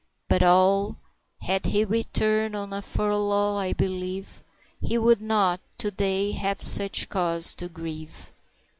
But oh, had he returned on a furlough, I believe He would not, to day, have such cause to grieve.